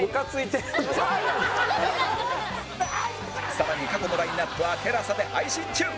更に過去のラインアップは ＴＥＬＡＳＡ で配信中！